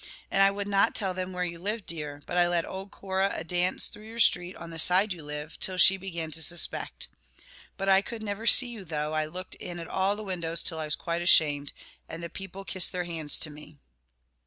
And I would not tell them where you lived, dear; but I led old Cora a dance through your street on the side you live, till she began to suspect. But I could never see you, though I looked in at all the windows till I was quite ashamed, and the people kissed their hands to me."